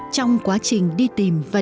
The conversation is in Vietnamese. trong quá trình đi tìm và đi qua